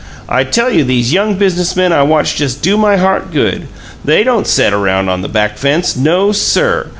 I tell you these young business men I watch just do my heart good! THEY don't set around on the back fence no, sir!